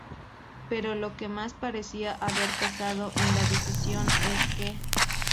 pero lo que más parecía haber pesado en la decisión es que